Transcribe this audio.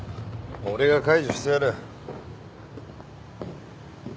俺が解除してやる。